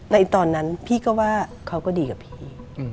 ในตอนนั้นพี่ก็ว่าเขาก็ดีกับพี่